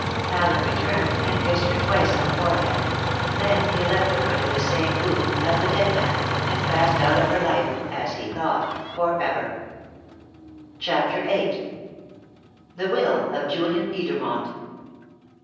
Allen returned, and kissed her twice on the forehead; then he left her under the same roof as the dead man, and passed out of her life as he thought for ever. CHAPTER VIII. THE WILL OF JULIAN EDERMONT.